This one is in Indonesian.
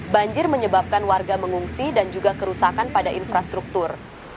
banjir menyebabkan warga mengungsi dan juga kerusakan pada infrastruktur